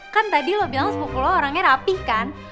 kan tadi lo bilang sepuluh lo orangnya rapih kan